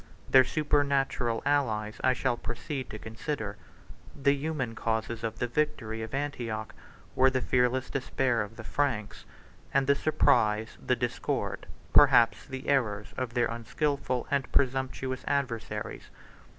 94 Their supernatural allies I shall proceed to consider: the human causes of the victory of Antioch were the fearless despair of the Franks; and the surprise, the discord, perhaps the errors, of their unskilful and presumptuous adversaries.